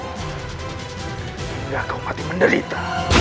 hingga kau mati menderita